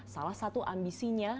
salah satu ambisinya